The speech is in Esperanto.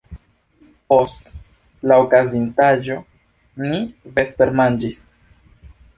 Post la okazintaĵo, ni vespermanĝis.